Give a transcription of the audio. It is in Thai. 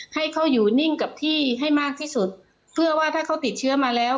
ให้เขาอยู่นิ่งกับที่ให้มากที่สุดเพื่อว่าถ้าเขาติดเชื้อมาแล้ว